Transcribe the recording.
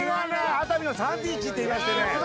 熱海のサンビーチっていいましてね。